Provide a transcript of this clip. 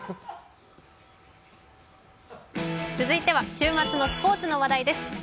続いては週末のスポーツの話題です。